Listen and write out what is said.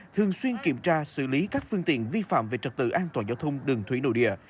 thường xuyên kiểm tra xử lý các phương tiện vi phạm về trật tự an toàn giao thông đường thủy nội địa